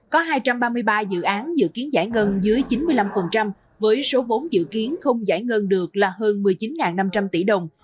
có hai trăm ba mươi ba dự án dự kiến giải ngân dưới chín mươi năm với số vốn dự kiến không giải ngân được là hơn một mươi chín năm trăm linh tỷ đồng